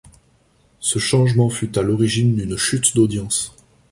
Ce changement fut à l’origine d’une chute d’audience.